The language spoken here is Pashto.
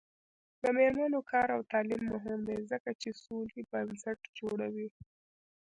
د میرمنو کار او تعلیم مهم دی ځکه چې سولې بنسټ جوړوي.